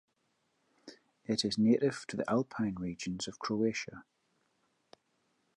It is native to the alpine regions of Croatia.